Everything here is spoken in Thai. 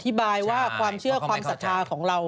อธิบายว่าความเชื่อความศาสนาของเรา